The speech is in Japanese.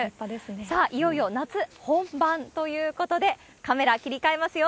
さあ、いよいよ夏本番ということで、カメラ切り替えますよ。